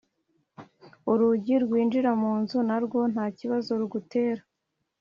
urugi rwinjira mu nzu na rwo nta kibazo rugutera